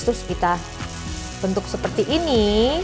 terus kita bentuk seperti ini